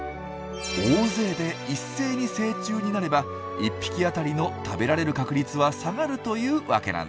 大勢で一斉に成虫になれば一匹あたりの食べられる確率は下がるというわけなんです。